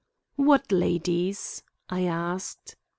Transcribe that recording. "What ladies?" I asked.